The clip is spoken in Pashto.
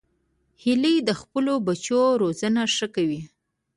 هیلۍ د خپلو بچو روزنه ښه کوي